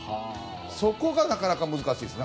そこが、なかなか難しいですね。